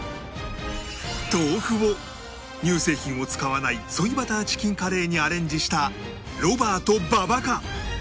豆腐を乳製品を使わないソイバターチキンカレーにアレンジしたロバート馬場か？